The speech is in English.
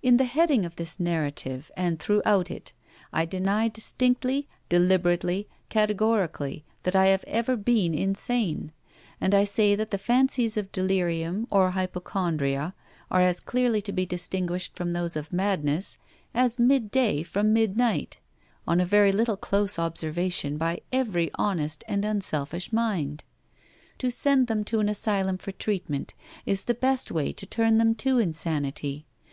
In the heading of this narrative, and throughout it, I deny distinctly, deliberately, categorically, that I have ever been insane; and I say that the fancies of delirium or hypochondria are as clearly to be distinguished from those of madness as midday from midnight, on a very little close observation, by every honest and unselfish mind. To send them to an asylum for treatment is the best way to turn them to insanity.